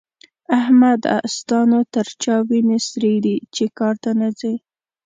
احمده! ستا نو تر چا وينې سرې دي چې کار ته نه ځې؟